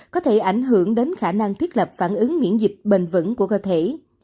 có thể ảnh hưởng đến khả năng thiết lập phản ứng miễn dịch bền vững của cơ thể